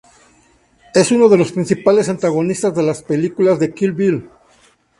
Es una de los principales antagonistas de las películas de Kill Bill.